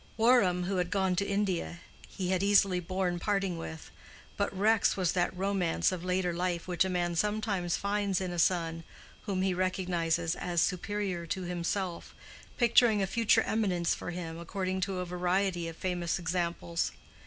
Warham, who had gone to India, he had easily borne parting with, but Rex was that romance of later life which a man sometimes finds in a son whom he recognizes as superior to himself, picturing a future eminence for him according to a variety of famous examples.